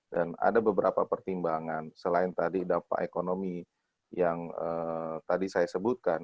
dan ada beberapa pertimbangan selain tadi dampak ekonomi yang tadi saya sebutkan